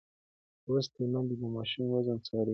لوستې میندې د ماشوم وزن څاري.